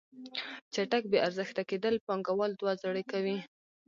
چټک بې ارزښته کیدل پانګوال دوه زړې کوي.